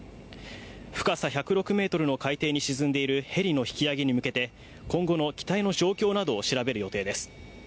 深さ１０６ｍの海底に沈んでいるヘリの引き揚げに向けて今後の機体の状況などを調べる予定です。